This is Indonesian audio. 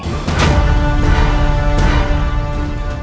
karena putramu siliwangi